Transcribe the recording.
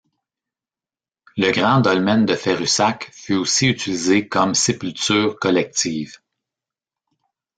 Le grand dolmen de Ferrussac fut aussi utilisé comme sépulture collective.